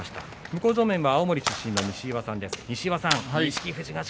向正面は青森出身の西岩さんです。